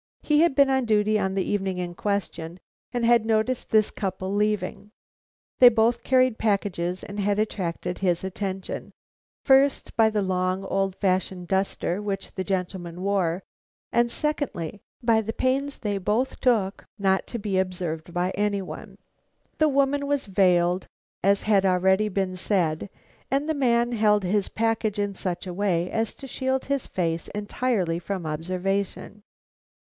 He had been on duty on the evening in question and had noticed this couple leaving. They both carried packages, and had attracted his attention first, by the long, old fashioned duster which the gentleman wore, and secondly, by the pains they both took not to be observed by any one. The woman was veiled, as had already been said, and the man held his package in such a way as to shield his face entirely from observation.